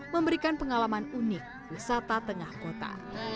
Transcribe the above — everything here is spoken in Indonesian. memberikan pengalaman unik wisata tengah kota